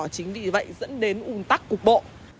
chính vì vậy dẫn đến ùn tắc cục bộ